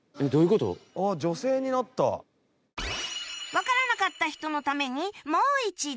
わからなかった人のためにもう一度